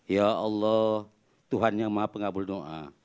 ya allah tuhan yang maha pengabul doa